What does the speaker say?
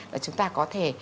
là chúng ta có thể